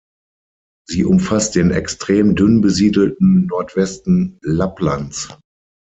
Sie umfasst den extrem dünn besiedelten Nordwesten Lapplands.